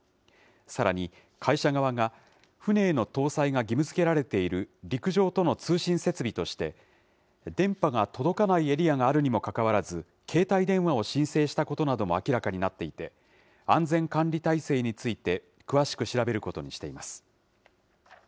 さらに、会社側が、船への搭載が義務づけられている陸上との通信設備として、電波が届かないエリアがあるにもかかわらず、携帯電話を申請したことなども明らかになっていて、安全管理体制について詳しく調べることにしています。